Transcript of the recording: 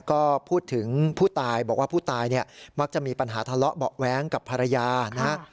ก็พูดถึงผู้ตายบอกว่าผู้ตายเนี่ยมักจะมีปัญหาทะเลาะเบาะแว้งกับภรรยานะฮะ